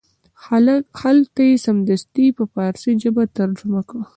هلته یې سمدستي په فارسي ژبه ترجمه کړ.